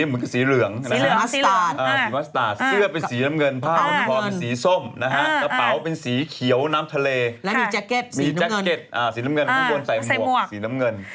มีแจ็คเก็ตสีน้ำเงินอ่าสีน้ำเงินข้างบนใส่หมวกสีน้ำเงิน